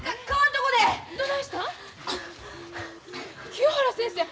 清原先生！